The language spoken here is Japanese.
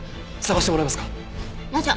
探してもらえますか？